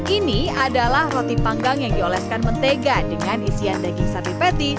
ini adalah roti panggang yang dioleskan mentega dengan isian daging sapi petty